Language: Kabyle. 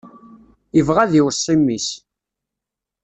Ibɣa ad iweṣṣi mmi-s.